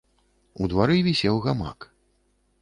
У двары вісеў гамак.